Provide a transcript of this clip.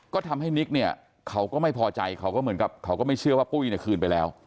ก็ทำให้นิ๊กเขาก็ไม่พอใจเขาก็ไม่เชื่อว่าปุ้ยคืนไปแล้ว